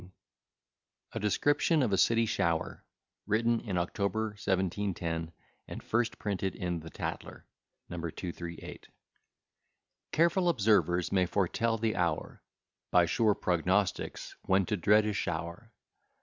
_] A DESCRIPTION OF A CITY SHOWER WRITTEN IN OCT., 1710; AND FIRST PRINTED IN "THE TATLER," NO. 238 Careful observers may foretell the hour, (By sure prognostics,) when to dread a shower.